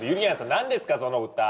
何ですかその歌？